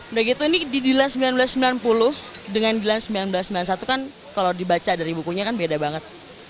udah gitu ini di dilan seribu sembilan ratus sembilan puluh dengan dilan seribu sembilan ratus sembilan puluh satu kan kalau dibaca dari bukunya kan beda banget